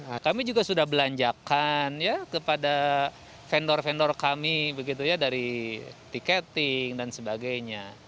nah kami juga sudah belanjakan ya kepada vendor vendor kami begitu ya dari tiketing dan sebagainya